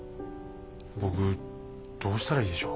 僕どうしたらいいでしょう。